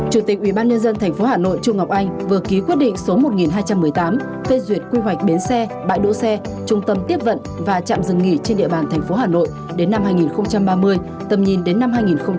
chủ tịch ubnd tp hà nội trung ngọc anh vừa ký quyết định số một nghìn hai trăm một mươi tám phê duyệt quy hoạch bến xe bãi đỗ xe trung tâm tiếp vận và chạm dừng nghỉ trên địa bàn tp hà nội đến năm hai nghìn ba mươi tầm nhìn đến năm hai nghìn bốn mươi